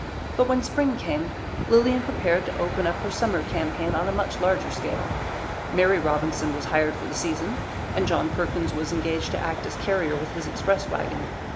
But when spring came Lilian prepared to open up her summer campaign on a much larger scale. Mary Robinson was hired for the season, and John Perkins was engaged to act as carrier with his express wagon.